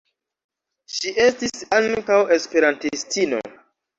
Ŝi estis ankaŭ esperantistino.